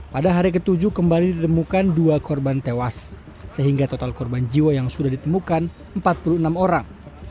pada hari ke tujuh kembali ditemukan dua korban tewas sehingga total korban jiwa yang sudah ditemukan empat puluh enam orang